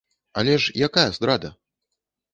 Але ж якая здрада?